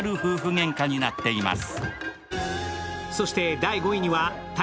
げんかになっています。